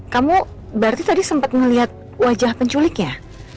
kamu berarti tadi sempat ngeliat wajah penculiknya